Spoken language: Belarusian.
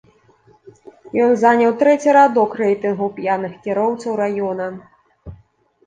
Ён заняў трэці радок рэйтынгу п'яных кіроўцаў раёна.